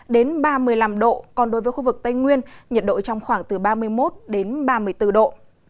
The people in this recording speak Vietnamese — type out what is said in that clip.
đến ba mươi năm độ còn đối với khu vực tây nguyên nhiệt độ trong khoảng từ ba mươi một đến ba mươi bốn độ